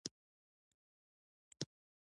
ده د هند مغولي حکومت ته خپل استازي ور ولېږل.